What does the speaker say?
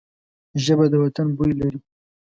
ژبه د وطن بوی لري